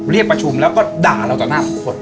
เรียกประชุมแล้วก็ด่าเราต่อหน้าทุกคน